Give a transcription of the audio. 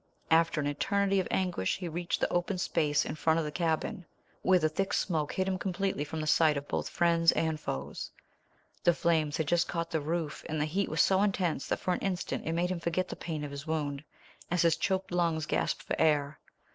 After an eternity of anguish he reached the open space in front of the cabin, where the thick smoke hid him completely from the sight of both friends and foes. The flames had just caught the roof, and the heat was so intense that for an instant it made him forget the pain of his wound, as his choked lungs gasped for air.